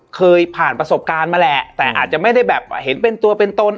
เคยผ่านประสบการณ์มาแหละแต่อาจจะไม่ได้แบบเห็นเป็นตัวเป็นตน